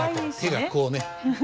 手がこうね。